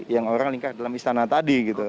yang orang lingkar dalam istana tadi gitu